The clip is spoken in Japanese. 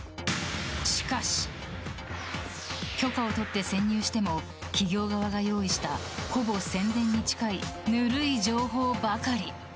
しかし、許可を取って潜入しても企業側が用意したほぼ宣伝に近いぬるい情報ばかり。